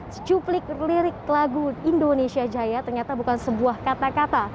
secuplik lirik lagu indonesia jaya ternyata bukan sebuah kata kata